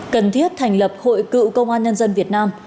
cần thiết thành lập hội cựu công an nhân dân việt nam